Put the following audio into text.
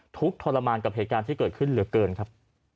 ทุกข์ทรมานกับเหตุการณ์ที่เกิดขึ้นเหลือเกินครับ